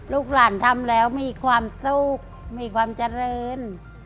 ลูกหลานทำแล้วมีความสุขมีความเจริญ